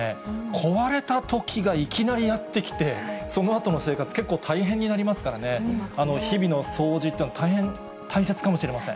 壊れたときがいきなりやって来て、そのあとの生活、結構大変になりますからね、日々の掃除っていうのは、大変大切かもしれません。